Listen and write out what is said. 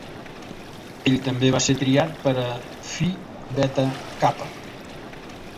Ell també va ser triat per a Phi Beta Kappa.